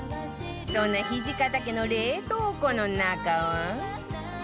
そんな土方家の冷凍庫の中は